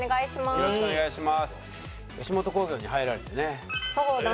よろしくお願いします。